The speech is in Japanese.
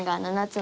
７つ？